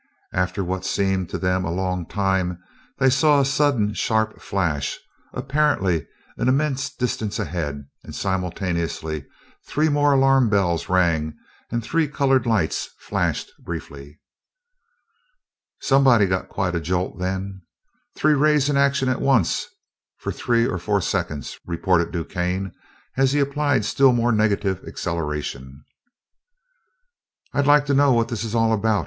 After what seemed to them a long time they saw a sudden sharp flash, apparently an immense distance ahead, and simultaneously three more alarm bells rang and three colored lights flashed briefly. "Somebody got quite a jolt then. Three rays in action at once for three or four seconds," reported DuQuesne, as he applied still more negative acceleration. "I'd like to know what this is all about!"